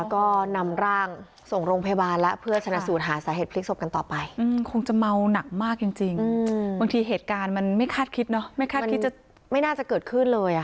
เขาบอกไม่รู้